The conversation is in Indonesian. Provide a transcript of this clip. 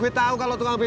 wah makasih bang udin